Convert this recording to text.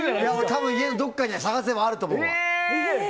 多分、家のどこかに探せばあると思うわ。